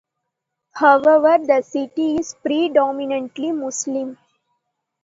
However, the city is predominantly Muslim.